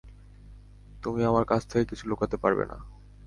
তুমি আমার কাছ থেকে কিছু লুকাতে পারবে না।